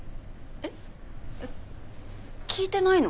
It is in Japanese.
えっ聞いてないの？